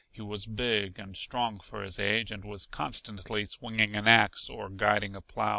He was big and strong for his age, and was constantly swinging an ax or guiding a plow.